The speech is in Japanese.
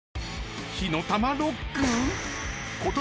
［火の玉ロック？］